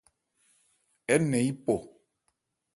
Ɛɛ́ nɛn yípɔ.